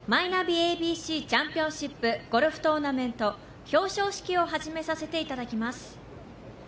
ただいまより、マイナビＡＢＣチャンピオンシップゴルフトーナメント表彰式を始めさせていただきます。